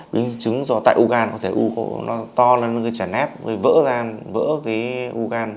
biến chứng do tại ưu gan có thể to lên những trẻ nét vỡ gan vỡ ưu gan